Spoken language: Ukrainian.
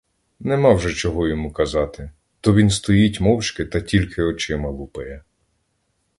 Нема вже чого йому казати, то він стоїть мовчки та тільки очима лупає.